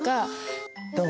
どう？